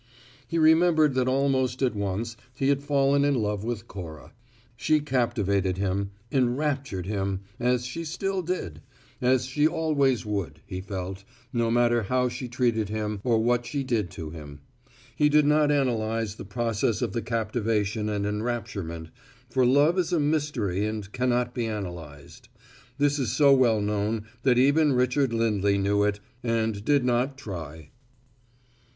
He remembered that almost at once he had fallen in love with Cora: she captivated him, enraptured him, as she still did as she always would, he felt, no matter how she treated him or what she did to him. He did not analyze the process of the captivation and enrapturement for love is a mystery and cannot be analyzed. This is so well known that even Richard Lindley knew it, and did not try!